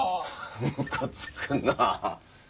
ムカつくなあ。